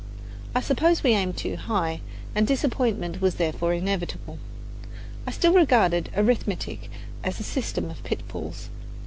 I suppose we aimed too high, and disappointment was therefore inevitable. I still regarded arithmetic as a system of pitfalls.